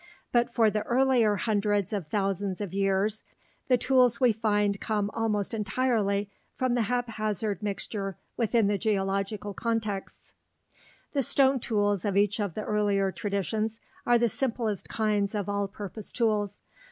But for the earlier hundreds of thousands of years below the red dotted line on the chart the tools we find come almost entirely from the haphazard mixture within the geological contexts. The stone tools of each of the earlier traditions are the simplest kinds of all purpose tools.